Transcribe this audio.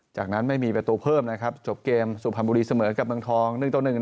จากนั้นไม่มีประตูเพิ่มนะครับจบเกมสุพรรณบุรีเสมอกับเมืองทอง๑ต่อ๑